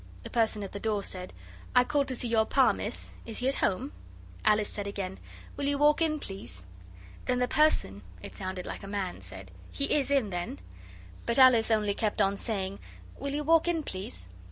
The person at the door said, 'I called to see your Pa, miss. Is he at home?' Alice said again, 'Will you walk in, please?' Then the person it sounded like a man said, 'He is in, then?' But Alice only kept on saying, 'Will you walk in, please?